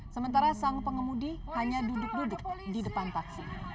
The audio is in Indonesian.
sementara sang pengemudi hanya duduk duduk di depan taksi